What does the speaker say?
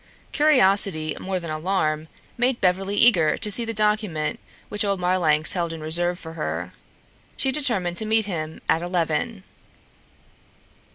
Curiosity more than alarm made Beverly eager to see the document which old Marlanx held in reserve for her. She determined to met him at eleven.